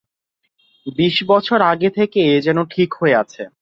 বিশ বছর আগে থেকে এ যে ঠিক হয়ে আছে।